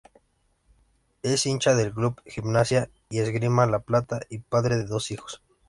Es hincha del club Gimnasia y Esgrima La Plata y padre de dos hijos.